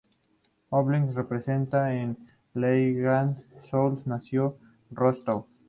Oleg se representa en Leningrado, Solzhenitsyn nació en Rostov.